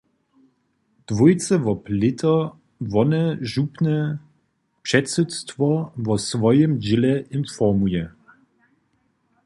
Dwójce wob lěto wone župne předsydstwo wo swojim dźěle informuje.